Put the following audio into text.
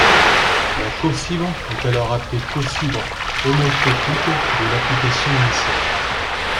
La cofibre est alors appelée cofibre homotopique de l'application initiale.